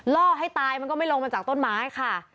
ล่อให้ตายมันก็ไม่ลงมาจากต้นไม้ค่ะ